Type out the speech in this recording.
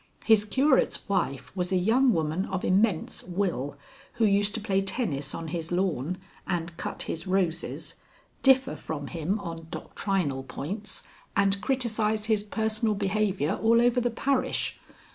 His curate's wife was a young woman of immense will, who used to play tennis on his lawn, and cut his roses, differ from him on doctrinal points, and criticise his personal behaviour all over the parish.